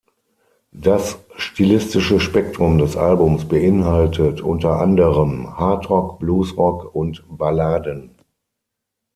Das stilistische Spektrum des Albums beinhaltet unter anderem Hard Rock, Bluesrock und Balladen.